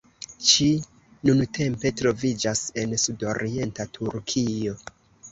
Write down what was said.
Ĝi nuntempe troviĝas en sudorienta Turkio.